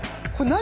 何？